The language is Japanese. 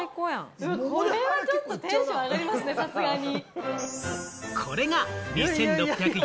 これはちょっとテンション上がりますね、さすがに。